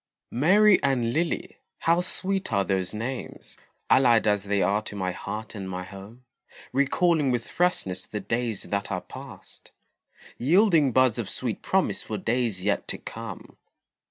Mary and Lily how sweet are those names, Allied as they are to my heart and my home; Recalling with freshness the days that are past, Yielding buds of sweet promise for days yet to come.